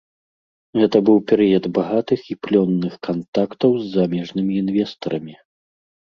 Гэта быў перыяд багатых і плённых кантактаў з замежнымі інвестарамі.